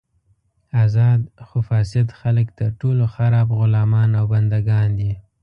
ازاد خو فاسد خلک تر ټولو خراب غلامان او بندګان دي.